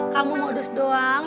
kamu modus doang